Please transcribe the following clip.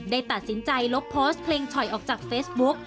ได้ตัดสินใจลบโพสต์เพลงฉ่อยออกจากเฟซบุ๊ก